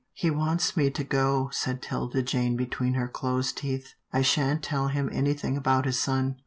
" He wants me to go," said 'Tilda Jane between her closed teeth. " I shan't tell him anything about his son.